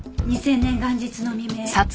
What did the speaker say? ２０００年元日の未明